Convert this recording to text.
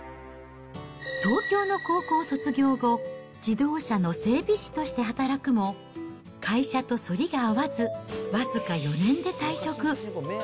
東京の高校を卒業後、自動車の整備士として働くも、会社とそりが合わず、僅か４年で退職。